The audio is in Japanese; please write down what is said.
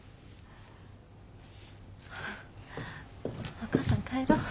お母さん帰ろう。